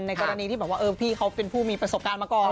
กรณีที่แบบว่าพี่เขาเป็นผู้มีประสบการณ์มาก่อน